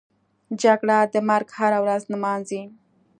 جګړه د مرګ هره ورځ نمانځي